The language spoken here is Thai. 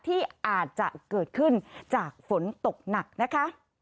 ที่อาจจะเกิดขึ้นจากฝนตกหนักนะคะ